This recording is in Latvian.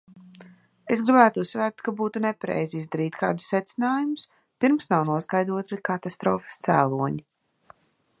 Es gribētu uzsvērt, ka būtu nepareizi izdarīt kādus secinājumus, pirms nav noskaidroti katastrofas cēloņi.